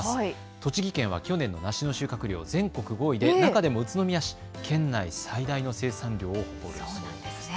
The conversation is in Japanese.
栃木県は去年の梨の収穫量が全国５位で中でも宇都宮市は県内最大の生産量を誇るそうです。